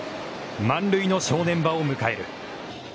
満塁の正念場を迎える。